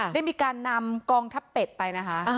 ได้มีการนำกองทัพเป็ดไปนะคะ